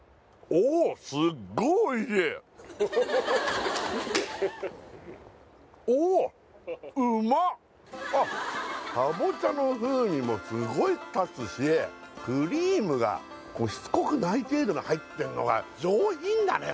おっおっかぼちゃの風味もすごい立つしクリームがしつこくない程度に入ってんのが上品だね